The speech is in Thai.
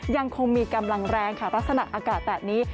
ยังคงมีกำลังแรงค่ะลักษณะอากาศแบบนี้